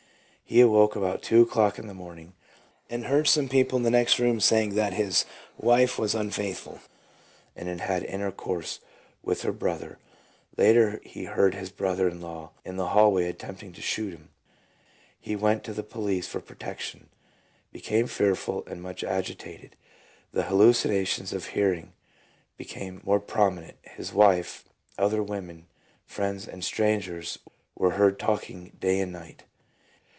He awoke at about two o'clock in the morning and heard some people in the next room saying that his wife was unfaithful and had had intercourse with her brother, later he heard his brother in law in the hall way attempting to shoot him. He went to the police for protection, became fearful and much agitated. The hallucinations of hearing became more promi nent, his wife, other women, friends, and strangers were heard talking day and night.